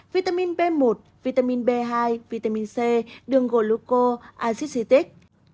vitamin b một vitamin b hai vitamin c đường gluco azitic